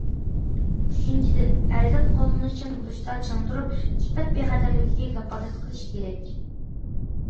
ئۈچىنچىدىن، ئەرزان، قوللىنىشچان بولۇشتا چىڭ تۇرۇپ، سۈپەت بىخەتەرلىكىگە كاپالەتلىك قىلىش كېرەك.